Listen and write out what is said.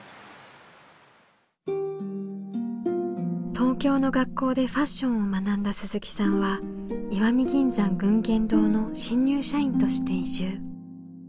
東京の学校でファッションを学んだ鈴木さんは石見銀山群言堂の新入社員として移住。